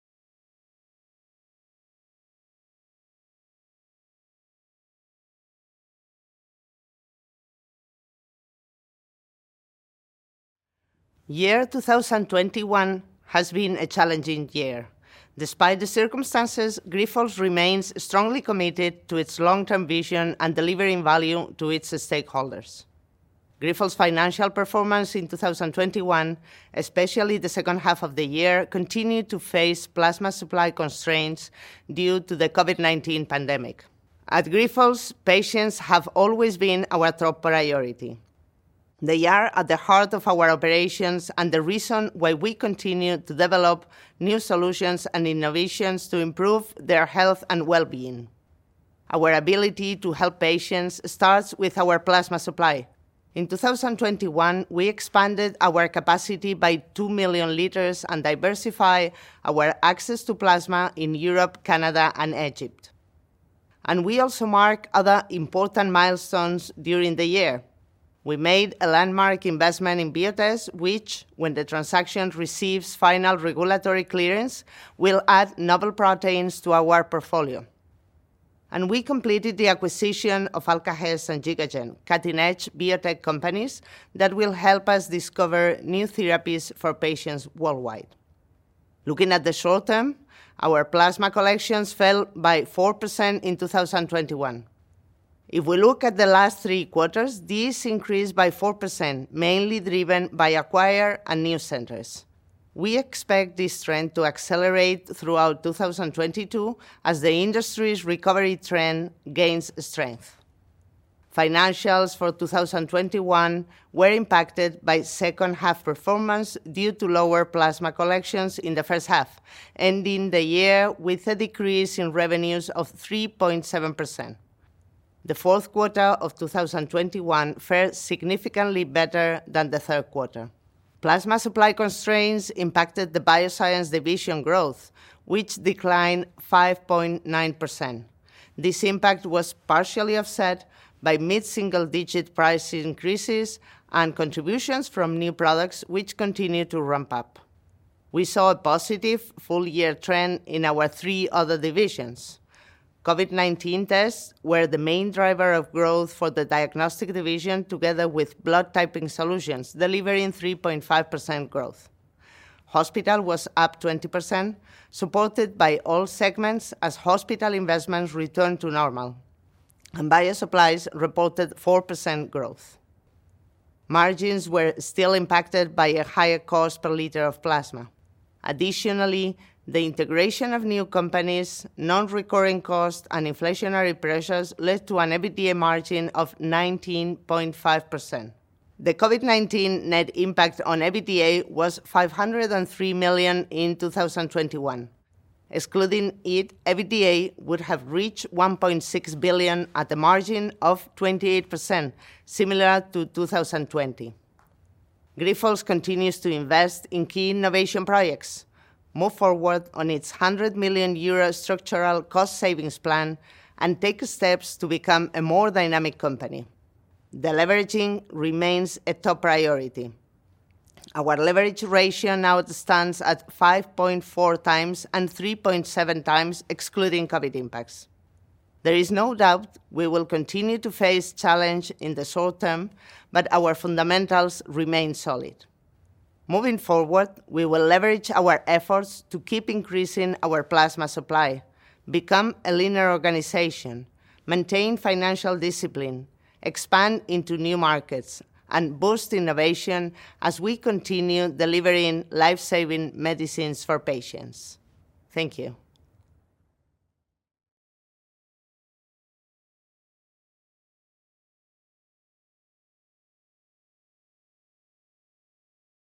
Year 2021 has been a challenging year. Despite the circumstances, Grifols remains strongly committed to its long-term vision and delivering value to its stakeholders. Grifols' financial performance in 2021, especially the second half of the year, continued to face plasma supply constraints due to the COVID-19 pandemic. At Grifols, patients have always been our top priority. They are at the heart of our operations and the reason why we continue to develop new solutions and innovations to improve their health and wellbeing. Our ability to help patients starts with our plasma supply. In 2021, we expanded our capacity by 2 million liters and diversify our access to plasma in Europe, Canada, and Egypt. We also mark other important milestones during the year. We made a landmark investment in Biotest, which, when the transaction receives final regulatory clearance, will add novel proteins to our portfolio. We completed the acquisition of Alkahest and GigaGen, cutting-edge biotech companies that will help us discover new therapies for patients worldwide. Looking at the short term, our plasma collections fell by 4% in 2021. If we look at the last three quarters, these increased by 4%, mainly driven by acquired and new centers. We expect this trend to accelerate throughout 2022 as the industry's recovery trend gains strength. Financials for 2021 were impacted by second half performance due to lower plasma collections in the first half, ending the year with a decrease in revenues of 3.7%. The fourth quarter of 2021 fared significantly better than the third quarter. Plasma supply constraints impacted the Bioscience division growth, which declined 5.9%. This impact was partially offset by mid-single-digit price increases and contributions from new products which continue to ramp up. We saw a positive full-year trend in our 3 other divisions. COVID-19 tests were the main driver of growth for the Diagnostic division together with Blood Typing Solutions, delivering 3.5% growth. Hospital was up 20%, supported by all segments as hospital investments return to normal. Bio Supplies reported 4% growth. Margins were still impacted by a higher cost per liter of plasma. Additionally, the integration of new companies, non-recurring costs, and inflationary pressures led to an EBITDA margin of 19.5%. The COVID-19 net impact on EBITDA was 503 million in 2021. Excluding it, EBITDA would have reached 1.6 billion at the margin of 28%, similar to 2020. Grifols continues to invest in key innovation projects, move forward on its 100 million euro structural cost savings plan, and take steps to become a more dynamic company. Deleveraging remains a top priority. Our leverage ratio now stands at 5.4 times and 3.7 times excluding COVID impacts. There is no doubt we will continue to face challenges in the short term, but our fundamentals remain solid. Moving forward, we will leverage our efforts to keep increasing our plasma supply, become a leaner organization, maintain financial discipline, expand into new markets, and boost innovation as we continue delivering life-saving medicines for patients. Thank you.